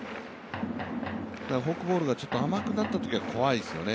フォークボールが甘くなったときが怖いですよね。